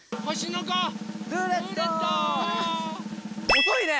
おそいね！